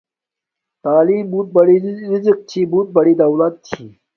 تعلیم بوت بری رزق چھی۔ بوت بڑی دولت چھی۔